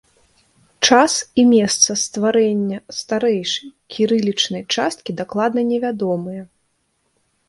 Час і месца стварэння старэйшай, кірылічнай часткі дакладна невядомыя.